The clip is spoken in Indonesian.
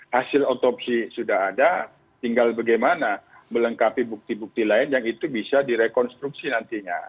hasil otopsi sudah ada tinggal bagaimana melengkapi bukti bukti lain yang itu bisa direkonstruksi nantinya